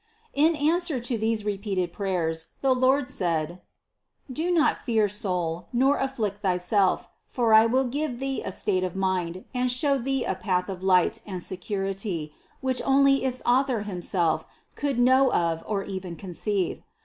35 36 CITY OF GOD 14. In answer to these repeated prayers the Lord said : "Do not fear, soul, nor afflict thyself ; for I will give thee a state of mind and show thee a path of light and secur ity, which only its Author himself could know of or even conceive.